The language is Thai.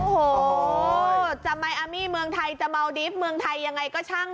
โอ้โหจะมายอามี่เมืองไทยจะเมาดีฟเมืองไทยยังไงก็ช่าง